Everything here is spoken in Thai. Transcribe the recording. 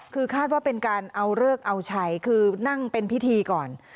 คือคาดว่าเป็นการเอาเลิกเอาชัยคือนั่งเป็นพิธีก่อน